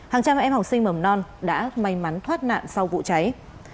hàng trăm em học sinh mầm non đã may mắn thoát nạn sau vụ cháy